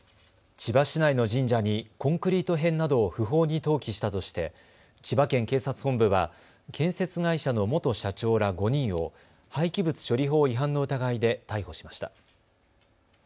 千葉市内の神社にコンクリート片などを不法に投棄したとして千葉県警察本部は建設会社の元社長ら５人を廃棄物処理法違反の疑いで逮捕しました。